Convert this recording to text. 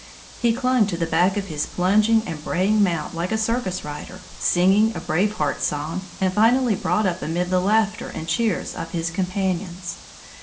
He clung to the back of his plunging and braying mount like a circus rider, singing a Brave Heart song, and finally brought up amid the laughter and cheers of his companions.